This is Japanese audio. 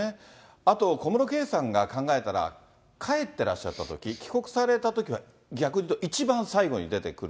あと、小室圭さんが考えたら、帰ってらっしゃったとき、帰国されたときは逆に言うと、一番最後に出てくる。